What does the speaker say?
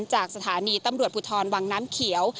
จากสถานีตำรวจภูทรวังน้ำเขียว